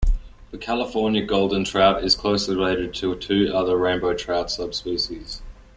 The California golden trout is closely related to two other rainbow trout subspecies.